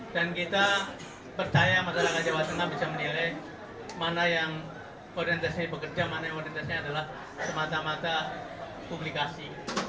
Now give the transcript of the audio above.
dan kita percaya masalah kesehatan ini bisa menilai mana yang identitasnya bekerja dan mana yang identitasnya adalah semata mata publikasi